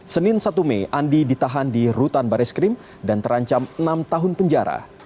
senin satu mei andi ditahan di rutan baris krim dan terancam enam tahun penjara